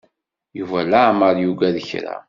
Yuba leɛmer yuggad kra.